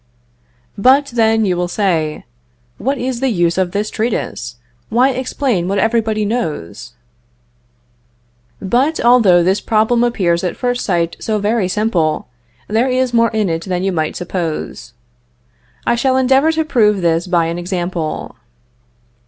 But, then, you will say, "What is the use of this treatise? Why explain what everybody knows?" But, although this problem appears at first sight so very simple, there is more in it than you might suppose. I shall endeavor to prove this by an example.